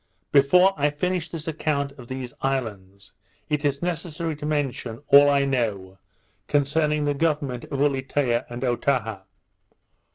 Before I finish this account of these islands, it is necessary to mention all I know concerning the government of Ulietea and Otaha.